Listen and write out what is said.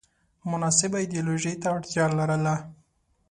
مناسبې ایدیالوژۍ ته اړتیا لرله